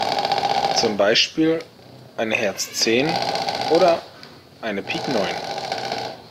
Zum Beispiel eine Herz zehn oder eine Pik neun.